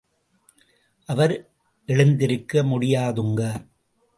அவர் எழுந்திருக்க முடியாதுங்க.